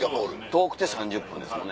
遠くて３０分ですもんね。